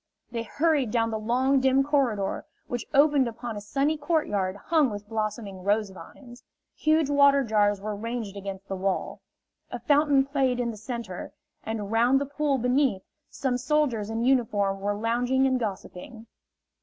They hurried down the long, dim corridor, which opened upon a sunny courtyard hung with blossoming rose vines. Huge water jars were ranged against the wall. A fountain played in the center, and round the pool beneath, some soldiers in uniform were lounging and gossiping.